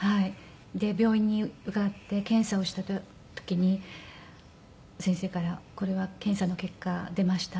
で病院に伺って検査をした時に先生からこれは「検査の結果出ました」って。